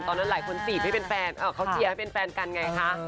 หลายคนจีบให้เป็นแฟนเขาเชียร์ให้เป็นแฟนกันไงคะ